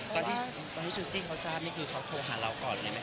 ตอนที่ซิลซี่เขาทราบนี่คือเขาโทรหาเราก่อนเลยไหมค